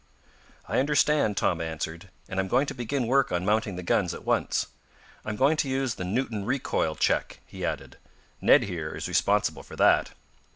"I understand," Tom answered. "And I am going to begin work on mounting the guns at once. I am going to use the Newton recoil check," he added. "Ned, here, is responsible for that."